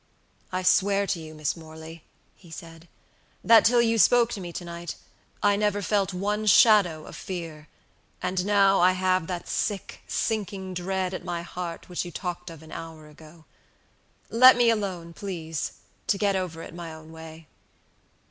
"I swear to you, Miss Morley," he said, "that till you spoke to me to night, I never felt one shadow of fear, and now I have that sick, sinking dread at my heart which you talked of an hour ago. Let me alone, please, to get over it my own way."